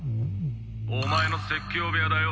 お前の説教部屋だよ